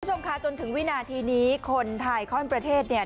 คุณผู้ชมค่ะจนถึงวินาทีนี้คนไทยข้อนประเทศเนี่ย